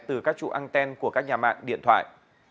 từ các trụ an ten của các nhà mạng điện thoại